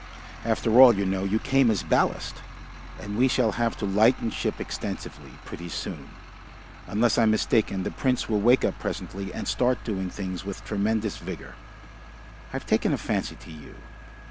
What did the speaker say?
After all, you know, you came als Ballast.... And we shall have to lighten ship extensively pretty soon. Unless I'm mistaken, the Prince will wake up presently and start doing things with tremendous vigour.... I've taken a fancy to you.